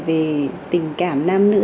về tình cảm nam nữ